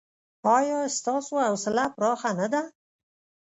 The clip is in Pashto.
ایا ستاسو حوصله پراخه نه ده؟